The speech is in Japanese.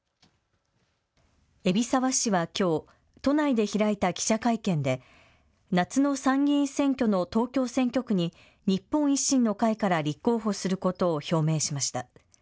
海老澤氏はきょう、都内で開いた記者会見で夏の参議院選挙の東京選挙区に日本維新の会から立候補することを表明しました。